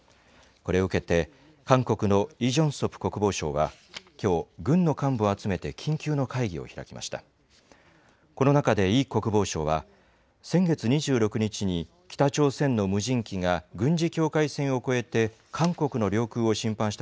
これを受けて、韓国のイ・ジョンソプ国防相はきょう軍の幹部を集めて緊急の会議を開きました。